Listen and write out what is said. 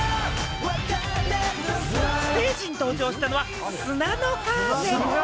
ステージに登場したのは砂のカーテン。